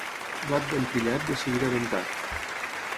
Blat ben trillat, de seguida ventat.